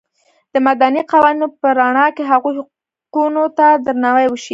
د مدني قوانینو په رڼا کې هغوی حقونو ته درناوی وشي.